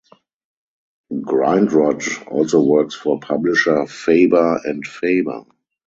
Grindrod also works for publisher Faber and Faber.